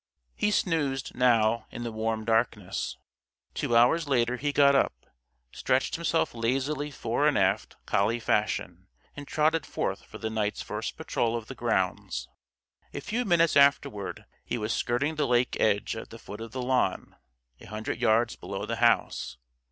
He snoozed, now, in the warm darkness. Two hours later he got up, stretched himself lazily fore and aft, collie fashion, and trotted forth for the night's first patrol of the grounds. A few minutes afterward he was skirting the lake edge at the foot of the lawn, a hundred yards below the house.